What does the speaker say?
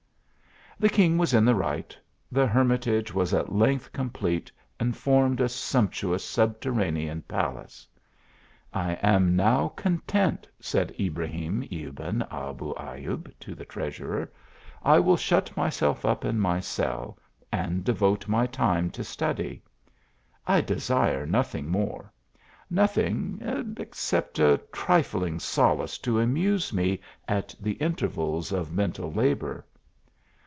The king was in the right, the hermitage was at length complete and formed a sumptuous subter ranean palace. " I am now content," said Ibrahim Ebn Abu Ayub, to the treasurer ;" I will shut myself up in my cell and devote my time to study. I desire nothing more, nothing, except a trilling solace to amuse me at the intervals of mental labour."